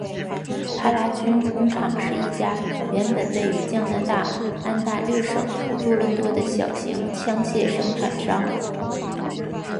帕拉军工厂是一家原本位于加拿大安大略省多伦多的小型枪械生产商。